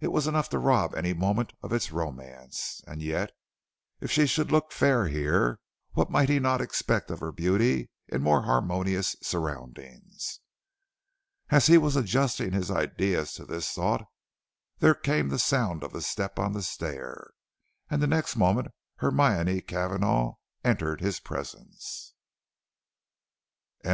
It was enough to rob any moment of its romance. And yet, if she should look fair here, what might he not expect of her beauty in more harmonious surroundings. As he was adjusting his ideas to this thought, there came the sound of a step on the stair, and the next moment Hermione Cavanagh entered his presence. VIII.